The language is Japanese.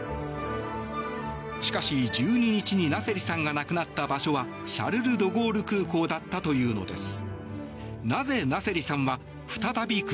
しかし、１２日にナセリさんが亡くなった場所はシャルル・ドゴール空港だったというのです。